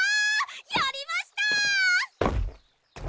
やりました！